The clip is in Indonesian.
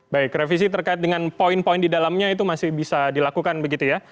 baik revisi terkait dengan poin poin di dalamnya itu masih bisa dilakukan begitu ya